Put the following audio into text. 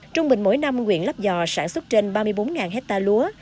trung bình mỗi năm quyện lắp giò sản xuất trên ba mươi bốn hectare lúa